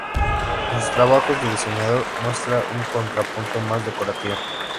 En sus trabajos de diseñador muestra un contrapunto más decorativo.